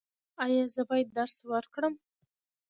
ایا زه باید درس ورکړم؟